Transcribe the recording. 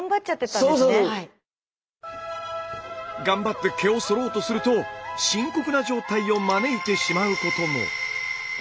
頑張って毛をそろうとすると深刻な状態を招いてしまうことも。